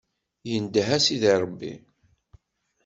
Indeh a Sidi Ṛebbi.